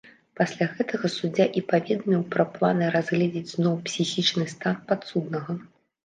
Пасля гэтага суддзя і паведаміў пра планы разгледзець зноў псіхічны стан падсуднага.